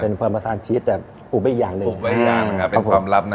เป็นพรมาซานชีสแต่อุบไว้อีกอย่างหนึ่งอุบไว้อีกอย่างหนึ่งค่ะเป็นความลับนะ